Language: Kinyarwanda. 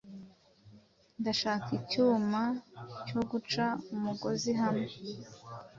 Ndashaka icyuma cyo guca umugozi hamwe.